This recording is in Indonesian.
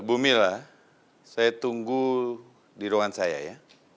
bu mila saya tunggu di ruangan saya ya